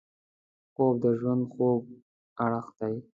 خوب د ژوند خوږ اړخ دی